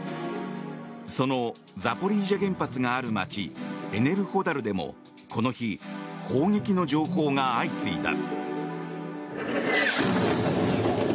そのザポリージャ原発がある街エネルホダルでもこの日、砲撃の情報が相次いだ。